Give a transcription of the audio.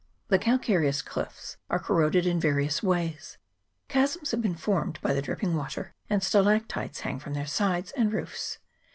The calcareous cliffs are corroded in various ways ; chasms have been formed by the dripping water, and stalactites hang from their sides and roofs.